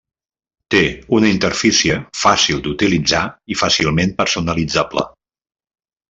Té una interfície fàcil d'utilitzar i fàcilment personalitzable.